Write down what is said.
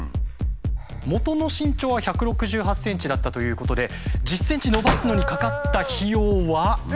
元の身長は１６８ｃｍだったということで１０ｃｍ伸ばすのにかかった費用は。